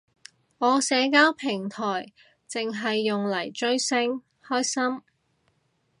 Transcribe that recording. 我社交平台剩係用嚟追星，開心